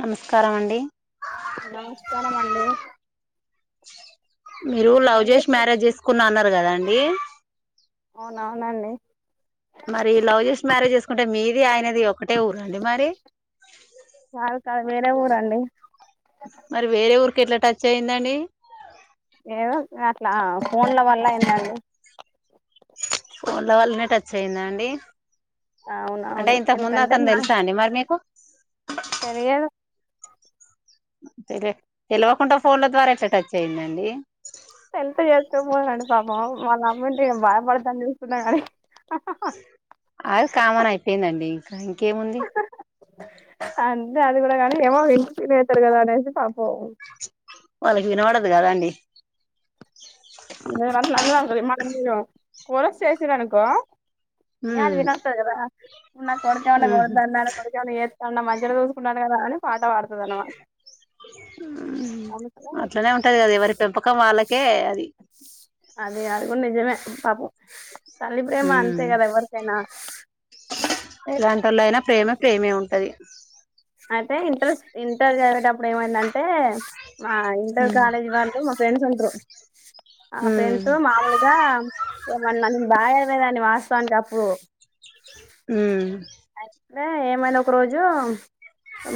నమస్కారం అండి నమస్కారం అండి మీరు లవ్ ఏం జేష్ మ్యారేజ్ చేస్తున్నారు చేసుకున్నా అన్నారు కదా అం ఏ అవునవునండి మరి లవ్ చేసి మ్యారేజ్ చేసుకుంటే మీది ఆయనది ది ఒకటే ఊరా అండి మరి రే ఊరండి మరి వేరేఊర్ ఎట్లా టచ్ అయిందండి ఏదో అట్లా ఫోన్ల వల్ల ఏందండి ఫోన్ల వల్లనే టచ్ అయిందాండి అంటే అవునవును ఇంతకు ముందు ఎందుకంటే అతను మా తెలుసా అండి మరి మీకు తెలియదు తెలి తెలివకుండా ఫోన్ల ద్వారా ఎట్లా టచ్ అయ్యందండి పోండి పాపం మాళ్ అమ్మంటిేం భాయపడతాని చూసుకున్నా కానీ అది కామన్ అయిపోయిందండి ఇంకా ఇంకేముంది అంతే అది కూడా కానీ ఏమో ఇంంటి తినితాడు కదా అనేసి పప వాళ్ళకి వినపడదు కదా అండి న కుర చేేసనుకో ఉమ్ అల్వి నాతదవా ఉ నా కొడుకవనే ఉహు కొందాన్నా కొడుక తనని మంచిగా చూసుకుంటాడు కదా అని పాట పాడుతుంది అన్నమాట అందుకనే అట్లనే ఉంటది కదా మరి పెంపకం వాళ్ళకే అది అది యకు నిజమే పాపం తల్లి ప్రేమ అంతే ఉమ్ కదా ఎవరికైనా ల అయినా ప్రేమ ప్రేమే ఉంటది అయితే ఇంటర్ ఇంటర్ జరిగేటప్పుడు ఏమైందింటే అే మా ఇంటర్ ఉమ్ కాలేజీ వాళ్ళు మా ఫ్రెండ్స్ ఉంటారు ఆ ఉమ్ ఫ్రెంస్ మాములుగా ఏమన్నా బాగాయర్మేదాన్ని వాస్తవానికి అప్పుడు మ్ అదే ఏమనా ఒక రోజు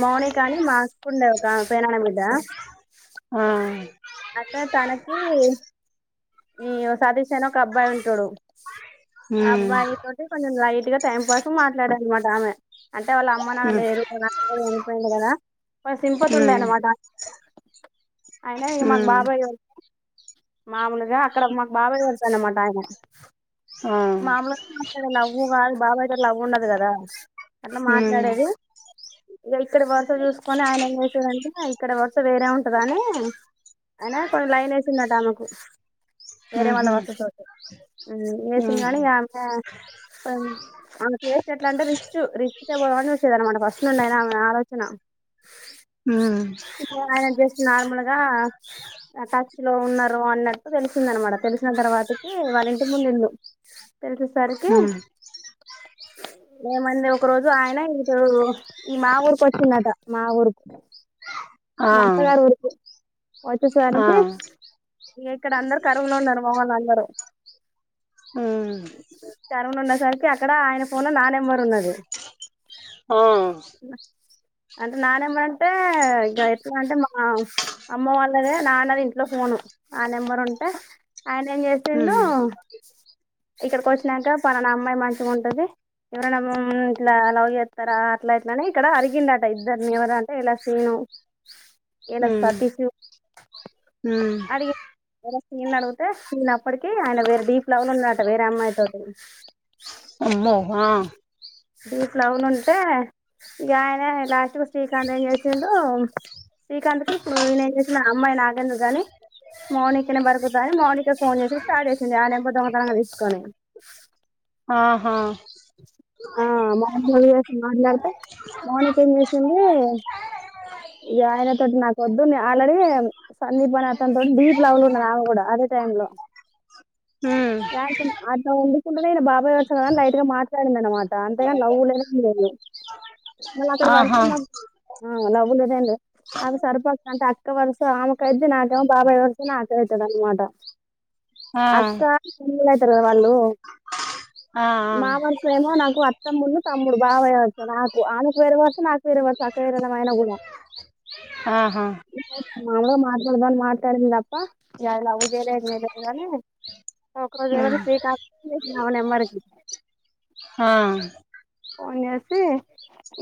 మౌనీ కానీ మాస్క్ ఉండే ఒక పనాన మీద అట్ే తనకి ఈ సాదష్ ఒక అబ్బాయి ఉంటాడు ఆ అబ్బాయి తోటి కొంచెం లైట్ గా టైం పాస్ మాట్లాడ అన్నమాట ఆమె అంటే వాళ్ళ అమ్మ నా లేరు అనిపోయింది కదా వా సింపోతు ఉండే అన్నమాట అయినా ఇక మాకు బాబాయ్య మాముూలు ఇ అక్కడ మాకు బాబా చేళ్తాన అన్నమాట ఆయన మామలుగా మాట్లాడేది లవ్వు కాదు బాబాయితే లవ్వు ఉండదు కదా అట్లా మాట్లాడేది ఇక ఇక్కడ వరుస చూసుకొని ఆయన ఏం చేసారంటే ఇక్కడ వరుస వేరే ఉంటందని ఆయన కొన్ని లైన్ వేసిినట్ట ఆమకు వేరే వాళ్ళ వస్త చోటు వేసింది కానీక అమ్మో ఆమె ఆమెకు వసే ఎట్లా అంటే రిచ్ రిచ్ే పోా అని వచ్చేది అనమాట ఫస్ట్ నుండి అయిన ఆమె ఆలోచన ఇ ఆయన జస్ట్ నార్మల్ గా లో ఉన్నారు అన్న డు తెలిసింది అనమాట తెలి సిన తర్వాతకి వాళ్ళ ఇంటి ముందు ఇల్లు తెలిసేసరికి ఏమైంది ఒక రోజు ఆయన ఇంకెవరో ఈ మా ఊరుకు వచ్చింరట. మా ఊరుకు మా అత్తగారి ఊరికి వచ్చేసరికి ఇగ అక్కడ అందరు కరువుల ఉన్నరు మొగోళందరు. ఉన్నసరికి అక్కడ ఆయన ఫోన్లో నా నెంబర్ ఉన్నది ఆ అంటే నా నెంబర్ అం టే ఇగ ఎట్ల అంటే ఆ అమ్మ వాళ్ళదే నాన్నది ఇంట్లో ఫోను ఆ నెంబర్ అంటే ఆయన ఏం చేసిండు ఇక్కడికి వచ్చినాంక పలానా అమ్మాయి మంచిగ ఉంటది. ఎవరైనా మ్ ఇట్లా లవ్ చేత్తరా అట్లా ఇట్ల అని ఇక్కడ అరిగిండట ఇద్దరిని ఎవరు అంటే ఇలా సీను ఈల్ల సతీషు అడిగి వరస్ నిన్ను అడుగుతే సీను అప్పడికీ ఆయన వేరే డీప్ లవ్ లా ఉన్నాడట వేరే అమ్మాయి తోటి. అమ్మో ఆ డీప్ లవ్ నుంటే ఇగ ఆయనే లాస్ట్ కు శ్రీకాంత్ ఏం చేసిడు శ్రీకాంత్ కి ఇప్పుడు ఈయన ఏం చేసిండు అమ్మాయి నాకెందుకు గాని మౌనిక నెంబర్ [unintelligible] మౌనికకి ఫోన్ చేసిస్తే స్టార్ట్ చేసింది ఆ నెంబర్ దొంగతనంగా తీసుకొని. ఆ హా ఆ మౌనిక చేసి మాట్లాడతే మౌనిక ఏం చేసిందీ ఈ ఆయనతోటి నాకు వద్దు ఆల్రెడీ సందీప్ అనే అతని తోటి డీప్ లవ్ లో ఉన్నది ఆమే కూడా అదే టైంలో, ఉమ్ ఆయన్తోని అట్ల వుండుకుంటనే ఇయన బాబాయి వొచ్చాడని లైట్ గా మాట్లాడింది అనమాట అంతేగాని లవ్ లేదు [unintelligible] మళ్ళ అక్కడ వరుస ఆహా మా మ్మ్ లవ్వు లేద్ [unintelligible] ఆమే సరుపక్క అంటే అక్క వరుస ఆమ కైద్ది నాకేమో బాబాయి వరుస నాక్ కైతడు అనమాట ఆ అక్కా తుములైతరు కదా వాళ్ళు ఆ మా వరుసేమో నాకు అత్తమ్మను తమ్ము ప్పుడు బాబయ నాకు ఆమేకు వేరే వరుస, నాకు వేరే వరుస అక్క చెల్లెళ్లం అయిన గూడా. ఆహా [unintelligible] [unintelligible] మాట్లాడింది తప్ప యా లవ్వు చెయలే ఏం చెయలే కాని ఒకరోజు ఎవరు ఉమ్ శ్రీకాంత్ [inaudible] చేసిండు ఆమె నెంబర్ కి ఆ పోన్ చేసి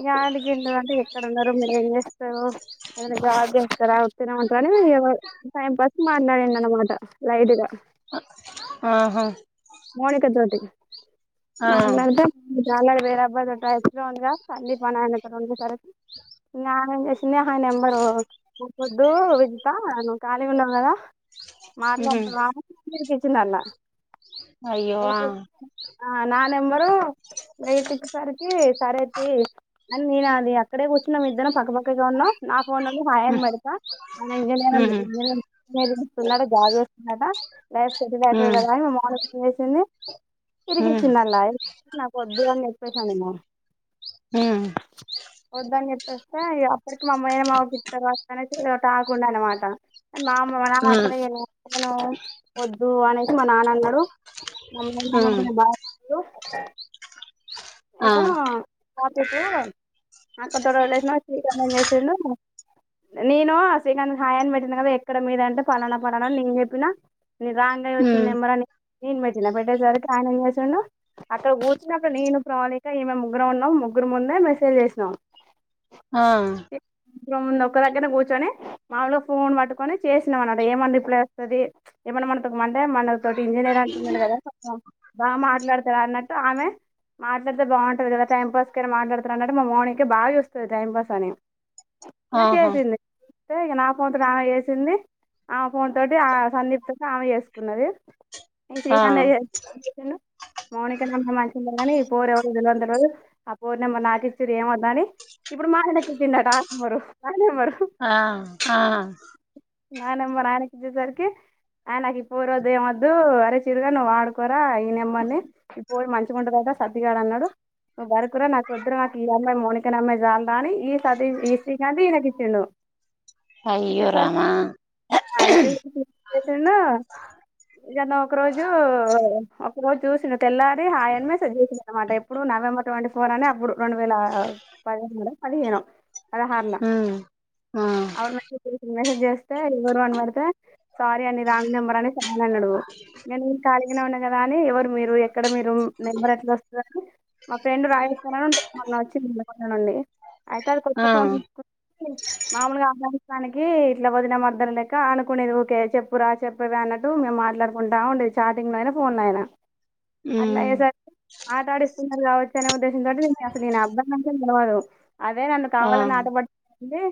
ఇగ అడిగిండు అంటే ఎక్కడన్నారు మీరు ఏం చే రు ఏదైనా జాబ్ చేస్తారా స్తారా అంటేనే ఏమో టైమ్ పాస్ కి మాట్లాడిండు అనమాట లైట్ గా ఆహా మౌణిక జ్యోతికి ఆ మాట్లాడతా వేరే అబ్బాయితో టచ్ లో ఉంది కా [unintelligible] సరికి న్ చేసింది ఆ నెంబరు పోకొద్దు విజిత నువ్వు ఖాళీగా ఉన్నావు కదా ఉహు మాట్లాడుతున్నావా అని ఇచ్చినలా అయ్యో ఆ నా నెంబరు వెైటికిసరికి సరే తీ అని నేను అది అక్కడే కూచున్నాం ఇద్దరం పక్కపక్క గా ఉన్నా నా ఫోన్ లోనే హాయ్ అని ఉహు పెడత ఆ ఉమ్ ఇంజనీరింగ్ జాబ్ చేస్తుందట లైఫ్ సెటిల్ అయితది ఉమ్ కదాని మమ్మని ఫోన్ చేసింది ఉమ్ తిరిగిచ్చిందలై నాకు వద్దు అని చెప్పేసాను ఉమ్ వద్దు అని చె వస్తే అ ఇక్కడకి అమ్మే మా పట్టన ఆకుండ అనమాట మా మాస ఉమ్ వద్దు అనేసి మా నాన్న అన్నాడు మా ఉమ్ బాబా హలో ఆ ఇక టేపు నాకు తోలేసిన శ్రీకాంతం చేసిడు నేను ఆ శ్రీకాంతం హాయ్ అని పెట్టిను కదా ఎక్కడ మీద అంటే పలానా పలానా నేను చెప్పిన న రాంగ్ అయి వచ్చింది ఉమ్ నెంబర్ అని నేను పెట్టిన పెట్టేసరికి ఆయన ఏం చేసాండు అక్కడ కూర్చినప్పుడు నేను ప్రవళిక ఈమె ముగ్గురం ఉన్నాం ముగ్గురు ముందే మెసేజ్ చేసినాం ఆ ఇంతకు ముందు ఒక్క దగ్గర కూర్చొని మాములుగా ఫోన్ పట్టుకొని చేసినాం అన అడ ఏమన్నా రిప్లై వస్తుంది ఏమన్నా మనకుమంటే మన తోటి ఇంజనీర్ అంటున్నాడు కదాం బాగా మాట్లాడతడు అన్నట్టు ఆమె మాట్లాడితే బాగుంటుంది కదా టైం పాస్ కైనా మాట్లాడతారు అన్నట్టు మా మార్నింగ్కే బాగా ఇ వస్తుంది టైంపాస్ అని ఇ ఆహా చేసింది అే ఇక నా ఫోన్ తోటి ఆమె చేసింది ఆ ఫోన్ తోటి ఆ సందీప్ త ఆమె చేసుకున్నది ఇ ఆ శ్రీకాంత్ మౌణికనా మమాంద అనీ పోరు ఎవరు విలువంత ఆ పోరు నెమ్మరు నాటి ఇచ్చరు ఏమ వద్దా అని ఇప్పుడు మా ఎండకి తిడు టమరు ఆమ్మరు ఆ ఆ నాెమ నానకిద్ద సరికి అయనకిపోూరదు ఏవమద్దు చరగా ఆడుకో అయినమ్మా ఇ మ వుండా దేనా సర్దిగాడు అన్నాడు నువ్వు వర కూడా నాకుొదురు నాకు ఈ అమ్మాయి మోనికని అమ్మాయి జాల రాని సద ఈ కడి హది ఏను ఇయితే అయ్యో రామా సారియితే జన ఒక రోజు రో చూసిన తెల్లార హయన్మెస్ అనమాట ఇప్పుడు నవంబర్ ట్వంటీ ఫోర్ అనే అప్పుడు రెండు వేల పదిహేను మడ అది ఏన హ ఆ మ ఎవరు అనబడితే సారీ అని రాంగ్ నెంబర్ అని సాయన్ అడు నేను న్నదని ఎవరు మీరు ఎక్కడ మీరు లా వస్తు మా ఫ్రెండ్ రాయేస్తానివచ్చి నుండి అయితే అది కొత్త ఆ ఫోన్ తీసుకుని మామూలుగా దనికి ఇట్లా వదిన మర్ద్దన లెక అనుకునేది ఓకే చెప్పురా చెప్పవ అన్నట్టు మేము మాట్లాడుకుంటాము అండ చాటింగ్ లో అయినా ఫోన్ అయినా అలా ఉమ్ ఎజ ఆట ఆడిస్తున్నారు కావచ్చు అని అసలు అబ్బా అవును అదే నన్ను ఆ కావాలని ఆటపడిడి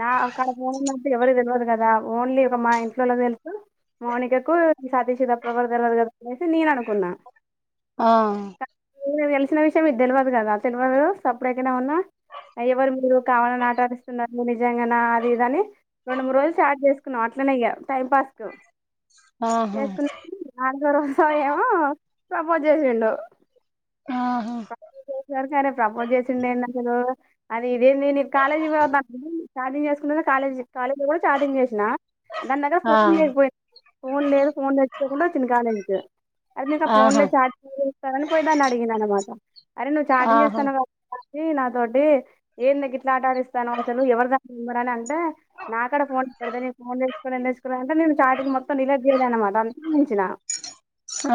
నా అక్కడ పోనున్నట్టు ఎవరు తెలియదు కదా ఓన్లీ ఒక మా ఇంట్లో వెళ్తూ మోనికకు సాతీశిత ప్రవర్ తెలారు కదా అనేసి నేను అనుకున్నా ఆ ేను తెలిసిన విషయం మీది తెలియదు కదా తెలియదు సప్పుడేకైనా ఉన్నా ఎవరు మీరు కావాలని ఆటడిస్తున్నారు నిజంగా అది ఇది అని రెండు మూడు రోజులు స్టార్ట్ చేసుకున్నాం అట్లనే టైం పాస్ కు ఆహా చేసుకున్నా నాలుగ రజ ఏమో సబ చేసి ఉండో హ ఆహా ప్రపోజ్ చేసారు సరే ప్రపోజ్ చేసిండే ఎన్న అసలు ఇదేం నేను కాలేజ్ ఛార్జింగ్ చేసుకుంట కాలేజ్ కాలేజీలో కూడా ఛార్జింగ్ చేసినా దాని దగ్గర ఆ ఫోన్ లేకపోయింది ఫోన్ లేదు ఫోన్ తెచ్చుకోకుండా వచ్చింది కాలేజీకి అదినకు ఆ ఫోన్ ఆహా లో చార్జ్ నను పోయేదాని అడిగిననమా అద అరే నువ్వు చాటింగ్ ఆహా చేస్తానావు కావు ఇ నాతోటి ఏందుకు ఇట్లా ఆట ఆడిస్తనవు అసలు ఎవరుద ఎవ్వరని అంటే నాకడ ఫోన్ ఎక్కడిదే నేను ఫోన్ తెచుకోలే ఏం తెచుకోలే అంటే నేను చాటింగ్ మొత్తం డిలేట్ చేయలే అనమాట అంతుంచినా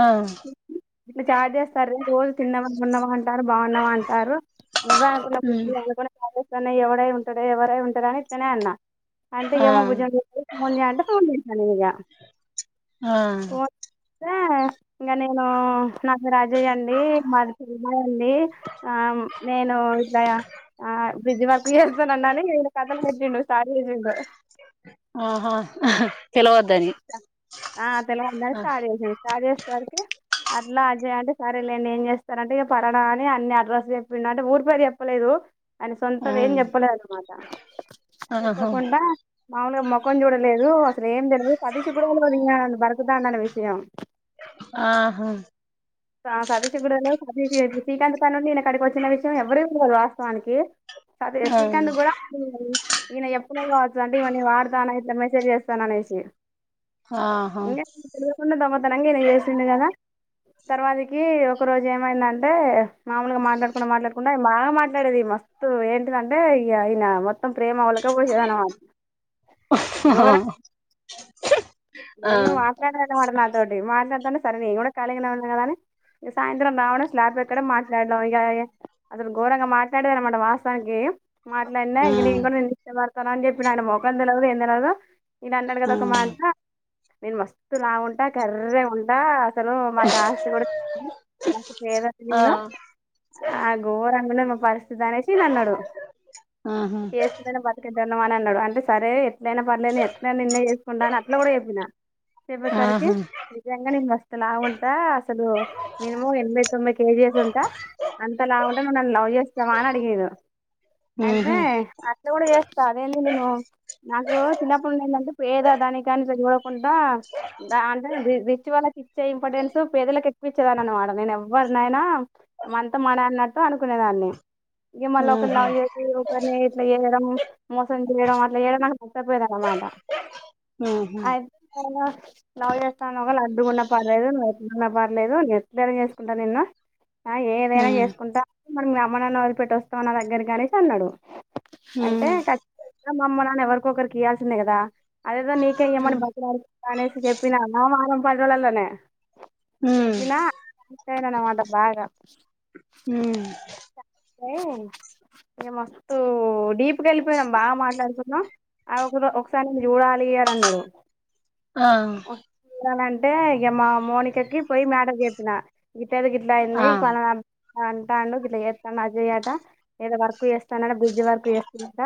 ఆ స్టార్ట్ చేస్తారు రోజు తిన్నవా ఉన్నవా అంటారు బాగున్నావా అంటారు నువ్వే అనుకున్న బుజ్జి ఉమ్ అనుకొనే చాలు కన్నయ్య ఎవడై ఉంటాడే ఎవరై ఉంటారె అని ఇట్లనే అన్న అంటే ఆ ఏమో బుజ్జి అని చేస్తడు ఫోన్ జెయి అంటే ఫోన్ జేసిన నేను ఇగ ఆ అే ఇగా నేను నా పేరు రాజయ్య అండి మాది చిమయ అండి ఆ నేను ఇట్లా ఆ బ్రిడ్జ్ వర్క్ చేస్తున్ననని ఇగ కథలు పెట్టిండు స్టార్ చేసిండు ఆహా పిలవద్దని ఆ తెలవద్దని ఆ స్టార్ చేసిడు స్టార్ట్ చేసే సరికి అట్లా అజయ్ అంటే సరేలేండి ఏం చేస్తరంటే ఇక పడనాని అన్ని అడ్రస్ చెప్పి అంటే ఊరిపేరు చెప్పలేదు అని సొంత ఏం ఉమ్, చెప్పలేదన్నమాట ఆహా చెప్పకుండా మాములుగా ముఖం చూడలేదు దు అసలు ఏం తెనను సతీష్ కూడా ఉళ్వద అ పరకుదాందన్న విషయం ఆ ఆ సతిష్ గూడ తెల్వది ఇగ బీపీ అయిది జెప్పి సీకంతుకు పని ఉంది ఇనే కాడికి వచ్చిన విషయం ఎవరి వాస్తవానికి అదే ఆ శ్రీకాంత్ కూడా ఈయన చెప్పలేదు కావచ్చు అంటే ఈవ నే వాడుతాన ఇట్లా మే సెజ్ చేస్తాననేషి ఆహా ఇంగ తెలవకుండ దొంగతనంగా ఈనె చేసిండు కదా తర్వాతికి ఒక రోజు ఏమైందంటే మామూలుగా మాట్లాడుకుండా మాట్లాడుకుండా బాగా మాట్లాడేది మస్తు ఏంటిదంటే ఇగ ఇయన మొ త్తం ప్రేమ ఒళక పోషేధనమాట గోరం [unintelligible] ఆ ఫుల్ మాట్లాడేదనమట నా తోటి మాట్లాడుతంటె సరే నేను కూడా కాలిగనే ఉన్నా కదాని ఇగ సాయంత్రం రావడం స్లాబ్ ఎక్కడం మాట్లాడం ఇగా ఏ అసలు ఘోరంగా మాట్లాడేది అనమాట వాస్తవానికి మాట్లాడిన ఇంక ఉమ్ నేను కూడా నిన్ను ఇష్టప వస్తానని అని చెప్పిన ఆయన మోకం తెలువదు ఎం తెలువదు ఇనే అన్నాడు కదా ఒక ఉమ్ మాట నేను మస్తు లావుంటా కర్రే ఉంటా అసలు మాకు ఆస్తి కూడా లేదు మస్తు పేదస్థితి ఆ ఉన్నం ఆ గోరంగా ఉన్నది మా పర్ నేసి అన్నాడు ఆహా చేస్తు బతుక తిన్నావా అన్నాడు అంటే సరే లైనా పర్లేదు ఎట్న నిన్నే చేసుకుంటాను ట్లా కూడా చె నా చూపే సార్క ఆహా నిజ్జంగానే మాస్ అంత లావుంటా అసలు మినిమం ఎనభై తొంభై కేజీస్ ఉంటా అంత లావుంటే నువ్ నన్ను లవ్ చేస్తావా అని అడిగిరు అంతే ఉహూ అట్లా కూడా చేస్తా అదేంది నేను నాకు చిన్నప్పుడున్నుండి ఏంటంటే పేదా దాని కనీ కుంటా అంటే రిచ్ వాళ్లకి రిక్ ఎ ఇంపార్టెన్స్ పేదలకుకి ప్పిచ్చదాన [unintelligible] నేను ఎవరినాయనా అంత మా నాన్న అ అనుకునేదాన్ని ఇంక మళ్ళీ ఒకరు ఆహా లవ్ చేసి ఒకరిని ఇట్లా చేయడం మోసం చేయడం అట్లా చేయడం నాకు నచ్చపోద అన్నమాట మ్ హూ లవ్ చేస్తా [unintelligible] డు గుణ పర్లేదు ఏట్లూన్నా పర్లేదు ఏట్లైన చేసుకుంటా నిన్ను ఆ ఏదైనా ఉమ్ చేసుకుంటా మరి మీ అమ్మ నాన్న వదిలి పెట్టి వోస్తావా నా దగ్గర కి అనేసి అన్నాడు ఉమ్ అంటే ఉమ్ [unintelligible] అమ్మ నాన్న ఎవరు ఒక్కరికి ఇయలసిందే కదా అదేదో నీకే ఇయమని బ్రతిమిలాడుకుంట అనేసి చెప్పినాన పడోలల్లానే ఉమ్ చెప్పిన నేనమమాట బాగ ఉమ్ [unintelligible] ఏ మస్తు డీప్ ప్పుడె వెళ్ళిపోయినాం బాగా మాట్లాడుకున్నాం ఆ ఒక ఒకసాని చూడాలిఅన్నాడు ఆ అంటే ఇగ మా మోనికకి పోయి మాటర్ చెప్పిన ది గిట్ల ఆ అయింది పలానా అంటాడు గిట్లా చేస్తాన్న అజయ్ అట ఏదో వర్క్ చేస్తాన్నడట బ్రిడ్జ్ వర్క్ చేస్తూన్నాడట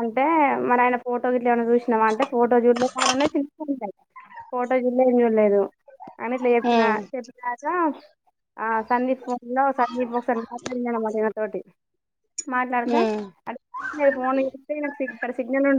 అంటే మరి ఆయన ఫో ఫోటో గిట్ల ఏమన్నా చూసినావా అంటే ఫోటో చూళ్ళే చాయి ఫోటో చూల్లే ఏం చూడలేదు అన్ని ఇట్ల చెప్పిన ఉమ్ చెప్పినాక ఆ సందీప్ ఫోన్ లో సందీప్ ఒకసారి మాట్లాడిండు అన్నమాట ఈయన తోటి మాట్లాడదే ఉమ్ అ ఫోన్ లో చెప్తే సిగ్నల్ ఇక్కడ సిగ్నల్ ఉం